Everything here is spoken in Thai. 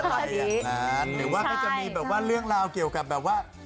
อะไรอย่างนั้นหรือว่าก็จะมีแบบว่าเรื่องราวเกี่ยวกับแบบว่า